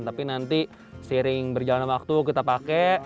tapi nanti seiring berjalan waktu kita pakai